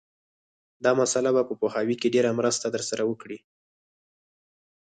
دا مسأله به په پوهاوي کې ډېره مرسته در سره وکړي